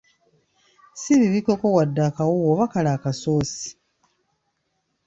Si bibikkeko wadde akawuuwo oba kale akasoosi.